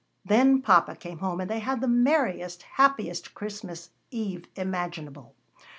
Then papa came home, and they had the happiest Christmas eve imaginable.